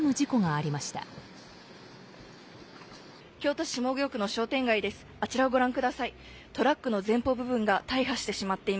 あちらをご覧ください。